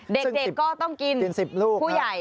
เด็กก็ต้องกิน๑๐ลูกผู้ใหญ่